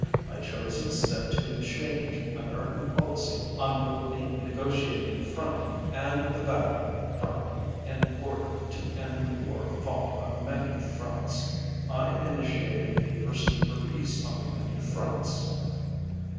I chose instead to change American policy on both the negotiating front and the battle front in order to end the war fought on many fronts. I initiated a pursuit for peace on many fronts.